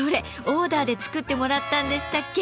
オーダーで作ってもらったんでしたっけ？